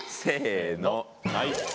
せの。